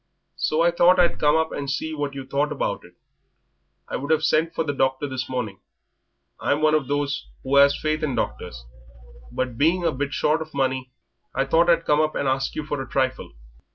So I thought I'd come up and see what you thought about it. I would 'ave sent for the doctor this morning I'm one of those who 'as faith in doctors but being a bit short of money I thought I'd come up and ask you for a trifle."